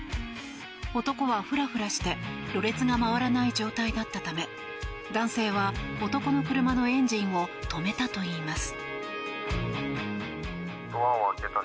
男はふらふらしてろれつが回らない状態だったため男性は男の車のエンジンを止めたといいます。